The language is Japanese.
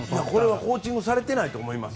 コーチングされていないと思います。